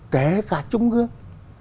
kể cả trung ương